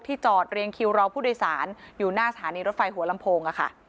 จอดเรียงคิวรอผู้โดยสารอยู่หน้าสถานีรถไฟหัวลำโพง